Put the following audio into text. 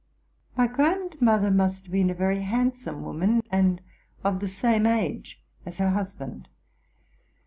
My grandmother must have been a very handsome woman, and of the same age as her husband.